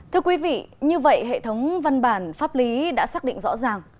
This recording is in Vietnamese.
thưa quý vị như vậy hệ thống văn bản pháp lý đã xác định rõ ràng